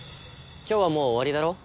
今日はもう終わりだろ？